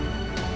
aku mau ke rumah